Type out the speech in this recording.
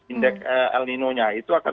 indeks el nino nya itu akan